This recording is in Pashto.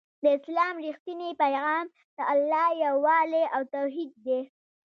د اسلام رښتينی پيغام د الله يووالی او توحيد دی